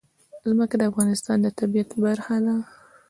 ځمکه د افغانستان د طبیعت برخه ده.